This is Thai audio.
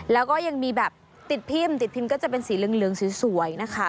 แล้วก็ยังมีแบบติดพิมพ์ติดพิมพ์ก็จะเป็นสีเหลืองสวยนะคะ